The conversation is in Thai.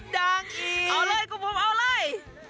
เอาเลยคู่ปุ๋มเอาเลย